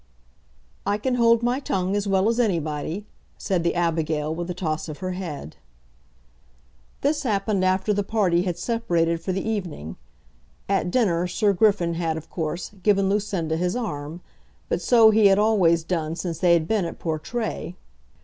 "I can hold my tongue as well as anybody," said the Abigail with a toss of her head. This happened after the party had separated for the evening. At dinner Sir Griffin had, of course, given Lucinda his arm; but so he had always done since they had been at Portray.